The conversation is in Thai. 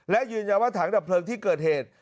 และยืนยันว่าถังดับเพลิงที่เกิดเหตุ